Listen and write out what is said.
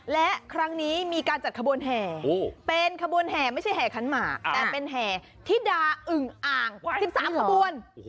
และครั้งนี้มีการจัดขบวนแห่เป็นขบวนแห่ไม่ใช่แห่ขันหมากแต่เป็นแห่ธิดาอึ่งอ่างกว่า๑๓ขบวน